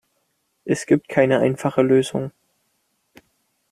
Es gibt keine einfache Lösung.